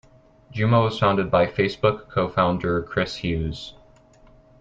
Jumo was founded by Facebook co-founder Chris Hughes.